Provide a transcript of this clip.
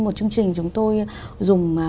một chương trình chúng tôi dùng